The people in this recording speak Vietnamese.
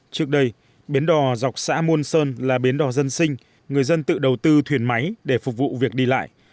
trước đây biến đò dọc xã môn sơn là biến đò dân sinh người dân tự đầu tư thuyền máy để phục vụ việc đi lại